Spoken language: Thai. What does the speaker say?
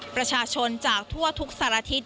ประชาชนจากทั่วทุกสารทิศ